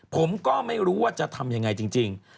ผมก็ไม่รู้ว่าจะทำยังไงจริง